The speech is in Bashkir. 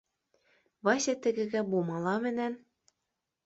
Вася тегегә бумала менән